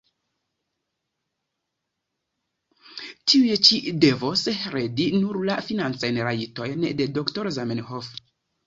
Tiuj ĉi devos heredi nur la financajn rajtojn de Dro Zamenhof.